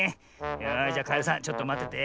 よしじゃカエルさんちょっとまってて。